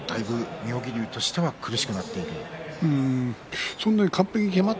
妙義龍としては苦しくなってきました。